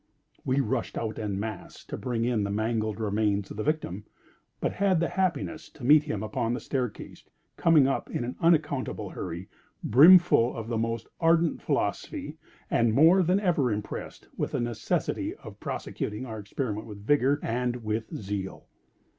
We rushed out en masse to bring in the mangled remains of the victim, but had the happiness to meet him upon the staircase, coming up in an unaccountable hurry, brimful of the most ardent philosophy, and more than ever impressed with the necessity of prosecuting our experiment with vigor and with zeal.